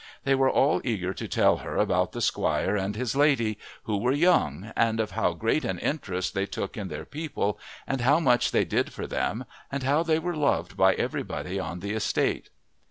They were all eager to tell her about the squire and his lady, who were young, and of how great an interest they took in their people and how much they did for them and how they were loved by everybody on the estate.